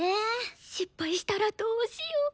失敗したらどうしよ。